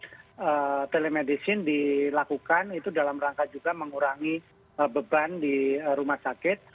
jadi telemedicine dilakukan itu dalam rangka juga mengurangi beban di rumah sakit